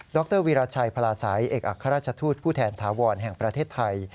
รวีรชัยพลาศัยเอกอัครราชทูตผู้แทนถาวรแห่งประเทศไทย